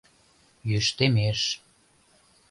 Йӱштемеш